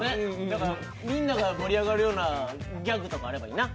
みんなが盛り上がるようなギャグとかあればいいな。